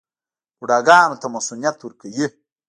بوډاګانو ته مصوونیت ورکوي.